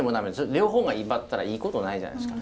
両方が威張ったらいいことないじゃないですか。